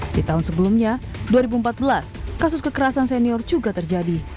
di tahun sebelumnya dua ribu empat belas kasus kekerasan senior juga terjadi